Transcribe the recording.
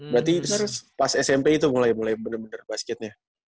berarti pas smp itu mulai mulai bener bener basketnya